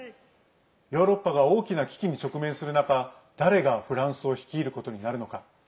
ヨーロッパが大きな危機に直面する中誰がフランスを率いることになるのか。